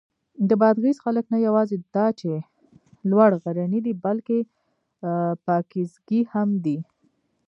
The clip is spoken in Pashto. د بادغیس خلک نه یواځې دا چې لوړ غرني دي، بلکې پاکیزګي هم دي.